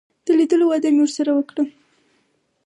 د لیدلو وعده مې ورسره وکړه.